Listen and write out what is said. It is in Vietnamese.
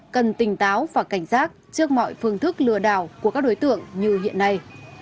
cần tỉnh táo và cảnh giác trước mọi phương thức lừa đảo của các đối tượng như hiện nay